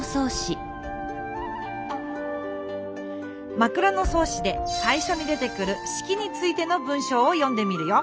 「枕草子」でさいしょに出てくる四きについての文しょうを読んでみるよ。